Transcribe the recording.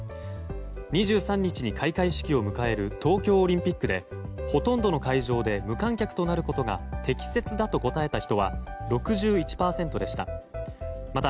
２３日に開会式を迎える東京オリンピックでほとんどの会場で無観客となることが適切だと答えた人は６１％でした。